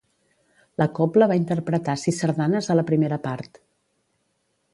La cobla va interpretar sis sardanes a la primera part.